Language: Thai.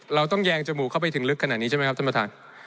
เราต้องแยงจมูกเข้าไปถึงลึกขนาดนี้ใช่ไหมครับท่านประธาน